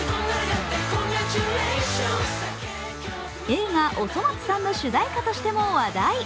映画「おそ松さん」の主題歌としても話題。